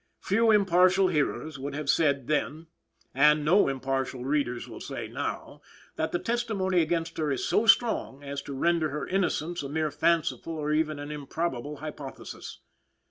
Few impartial hearers would have said then, and no impartial readers will say now, that the testimony against her is so strong as to render her innocence a mere fanciful or even an improbable hypothesis.